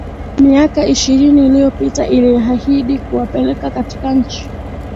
miaka ishirini iliyopita iliahidi kuwapeleka katika nchi